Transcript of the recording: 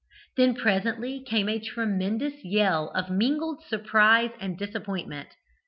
Then presently came a tremendous yell of mingled surprise and disappointment.